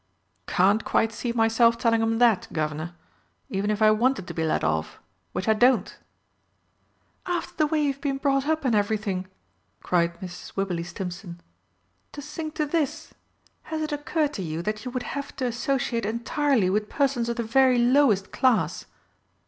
"Can't quite see myself telling 'em that, Guv'nor. Even if I wanted to be let off which I don't." "After the way you've been brought up and everything!" cried Mrs. Wibberley Stimpson. "To sink to this! Has it occurred to you that you would have to associate entirely with persons of the very lowest class?"